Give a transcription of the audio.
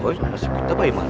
ustadz kita baik baik